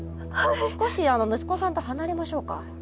少し息子さんと離れましょうか。